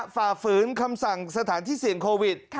ฝ่าฝืนคำสั่งสถานที่เสี่ยงโควิด